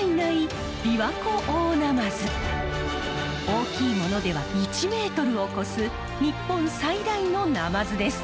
大きいものでは１ｍを超す日本最大のナマズです。